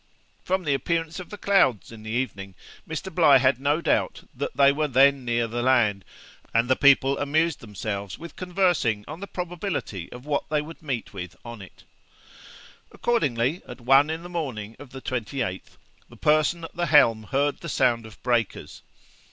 From the appearance of the clouds in the evening, Mr. Bligh had no doubt they were then near the land, and the people amused themselves with conversing on the probability of what they would meet with on it. Accordingly, at one in the morning of the 28th, the person at the helm heard the sound of breakers.